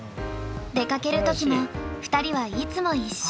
出かける時も２人はいつも一緒。